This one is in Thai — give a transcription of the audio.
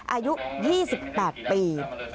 อายุ๒๘ปี